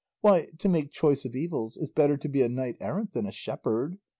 Why, to make choice of evils, it's better to be a knight errant than a shepherd!